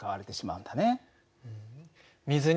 うん。